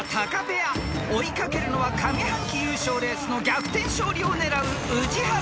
［追い掛けるのは上半期優勝レースの逆転勝利を狙う宇治原ペア］